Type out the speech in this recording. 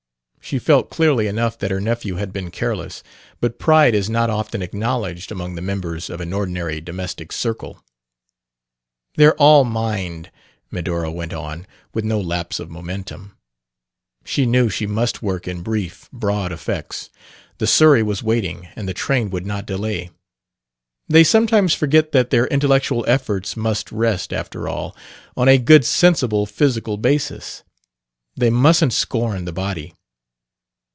She felt clearly enough that her nephew had been careless; but pride is not often acknowledged among the members of an ordinary domestic circle. "They're all mind," Medora went on, with no lapse of momentum. She knew she must work in brief, broad effects: the surrey was waiting and the train would not delay. "They sometimes forget that their intellectual efforts must rest, after all, on a good sensible physical basis. They mustn't scorn the body."